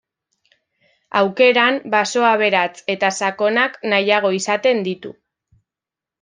Aukeran, baso aberats eta sakonak nahiago izaten ditu.